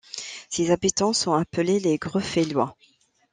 Ses habitants sont appelés les Greffeillois.